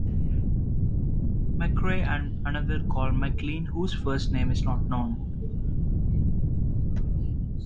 McRae, and another called MacLean, whose first name is not known.